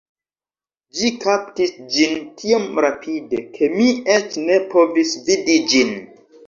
Ĝi kaptis ĝin tiom rapide, ke mi eĉ ne povis vidi ĝin